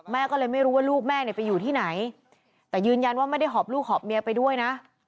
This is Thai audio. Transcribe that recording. แม่ก็เลยไม่รู้ว่าลูกแม่เนี่ยไปอยู่ที่ไหนแต่ยืนยันว่าไม่ได้หอบลูกหอบเมียไปด้วยนะ